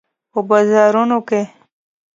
په بازارونو کې